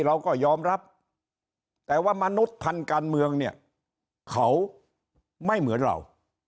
เราก็ยอมรับแต่ว่ามนุษย์ทางการเมืองเนี่ยเขาไม่เหมือนเรา